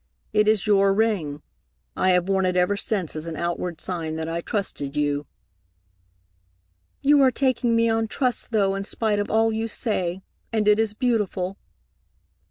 "It is your ring. I have worn it ever since as an outward sign that I trusted you." "You are taking me on trust, though, in spite of all you say, and it is beautiful."